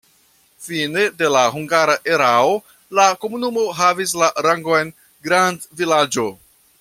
Fine de la hungara erao la komunumo havis la rangon grandvilaĝo.